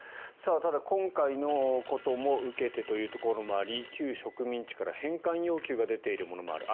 ただ、今回のことを受けてというところもあり旧植民地から返還要求が出ているものもある。